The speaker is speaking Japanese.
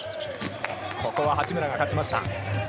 ここは八村が勝ちました。